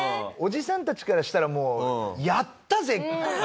おじさんたちからしたらもうやったぜ！